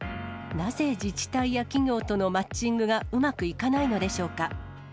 なぜ自治体や企業とのマッチングがうまくいかないのでしょうか。